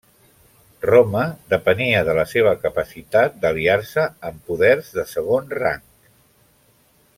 Roma depenia de la seva capacitat d'aliar-se amb poders de segon rang.